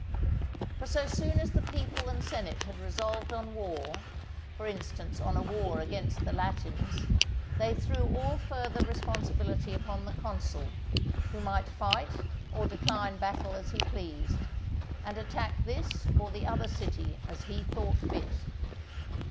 For so soon as the people and senate had resolved on war, for instance on a war against the Latins, they threw all further responsibility upon the consul, who might fight or decline battle as he pleased, and attack this or the other city as he thought fit.